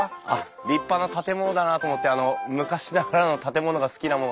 立派な建物だなと思ってあの昔ながらの建物が好きなもので。